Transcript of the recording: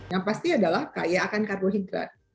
yang pasti adalah kaya akan karbohidrat